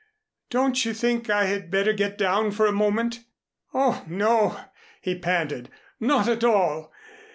"Don't you think I had better get down for a moment?" "Oh, no," he panted. "Not at all.